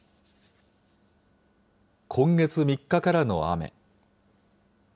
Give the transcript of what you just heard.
今月３日からの雨。